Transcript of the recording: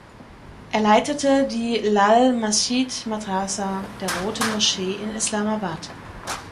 Er leitete die Lal Masjid Madrasa der Roten Moschee in Islamabad.